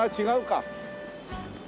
違うか。